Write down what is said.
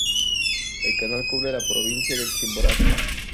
El canal cubre la provincia de Chimborazo.